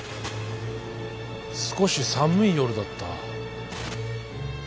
少し寒い夜だった。